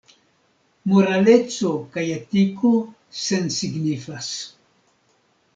Moraleco kaj etiko sensignifas.